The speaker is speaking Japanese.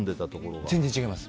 全然違います。